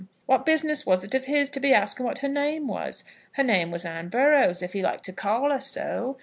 What business was it of his to be asking what her name was? Her name was Anne Burrows, if he liked to call her so.